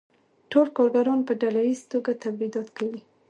ټول کارګران په ډله ییزه توګه تولیدات کوي